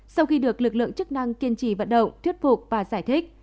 sau khi được lực lượng chức năng kiên trì vận động thuyết phục và giải thích